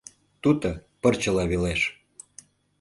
Туто пырчыла велеш!